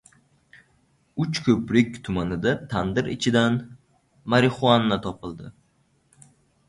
Uchko‘prik tumanida tandir ichidan “marixuana” topildi